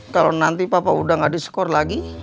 kalo nanti papa udah gak diskor lagi